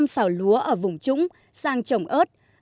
năm xào lúa ở vùng trúng sang trồng ớt